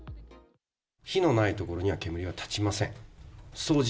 火のないところには煙は立ちません。